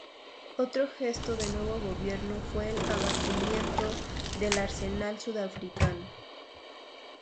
Otro gesto del nuevo gobierno fue el abatimiento del arsenal sudafricano.